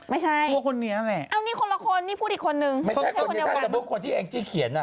ไม่ใช่คนเดียวกันแต่พวกที่แองจิเขียน